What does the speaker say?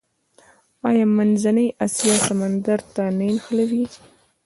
آیا منځنۍ اسیا سمندر ته نه نښلوي؟